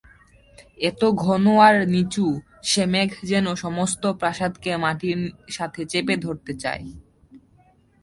এত ঘন আর নিচু সে মেঘ যেন সমস্ত প্রাসাদকে মাটির সাথে চেপে ধরতে চায়।